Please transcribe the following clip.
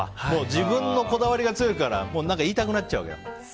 自分のこだわりが強いから言いたくなっちゃうわけだ。